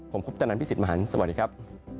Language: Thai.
ผมคุปตะนันพี่สิทธิมหันฯสวัสดีครับ